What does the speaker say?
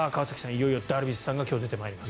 いよいよダルビッシュさんが出てまいります。